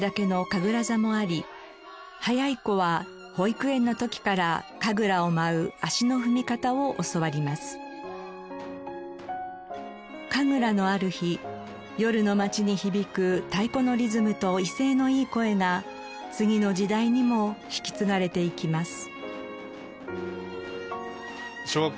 神楽のある日夜の町に響く太鼓のリズムと威勢のいい声が次の時代にも引き継がれていきます。